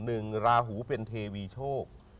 หนึ่งราหูเป็นเทวีโชค